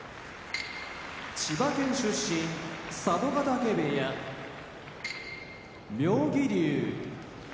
千葉県出身佐渡ヶ嶽部屋妙義龍